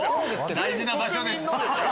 大事な場所です。